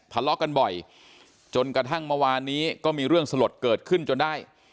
ทะเลาะกันบ่อยจนกระทั่งเมื่อวานนี้ก็มีเรื่องสลดเกิดขึ้นจนได้